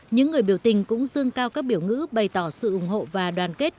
những người biểu tình cũng dương cao các biểu ngữ bày tỏ sự ủng hộ và đoàn kết